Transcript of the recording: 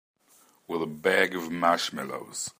With a bag of marshmallows.